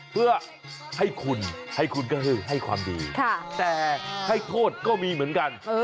เพื่อให้คุณให้คุณก็คือให้ความดีแต่ให้โทษก็มีเหมือนกัน